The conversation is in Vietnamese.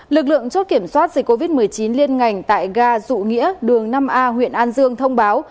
lực lượng chốt kiểm soát dịch covid một mươi chín liên ngành tại ga dụ nghĩa đường năm a huyện an dương thông báo